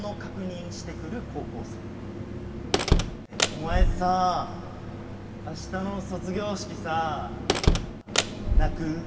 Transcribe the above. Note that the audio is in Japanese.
お前さ明日の卒業式さ泣く？